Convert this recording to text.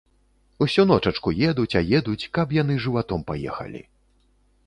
Усю ночачку едуць а едуць, каб яны жыватом паехалі.